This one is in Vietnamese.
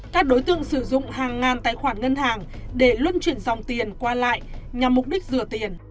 các đối tượng sử dụng hàng ngàn tài khoản ngân hàng để luân chuyển dòng tiền qua lại nhằm mục đích rửa tiền